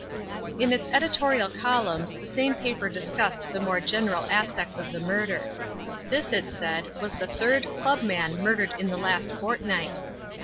In its editorial columns the same paper discussed the more general aspects of the murder. This, it said, was the third club man murdered in the last fortnight.